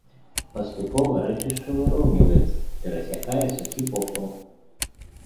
Паступова рэчышча выроўніваецца, перасякае сухі поплаў.